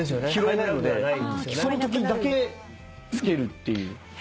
そのときだけ付けるっていう。